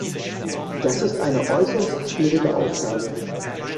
Das ist eine äußerst schwierige Aufgabe.